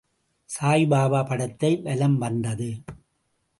சாயிபாபா படத்தை வலம் வந்தது.